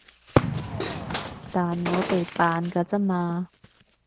但我哋扮㗎咋嘛